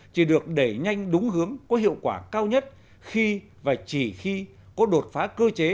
chỉ được đẩy nhanh đúng hướng có hiệu quả cao nhất khi và chỉ khi có đột phá cơ chế